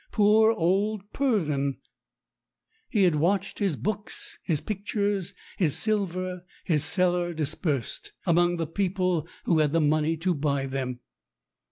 Poor old Pur don ! He had watched his books, his pictures, his sil ver, his cellar dispersed among the people who had the money to buy them.